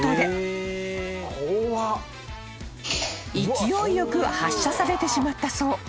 ［勢いよく発射されてしまったそう］